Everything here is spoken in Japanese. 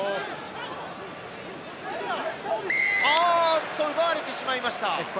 あっと、奪われてしまいました。